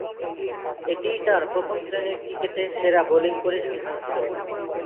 এটিই তার প্রথম-শ্রেণীর ক্রিকেটে সেরা বোলিং পরিসংখ্যান ছিল।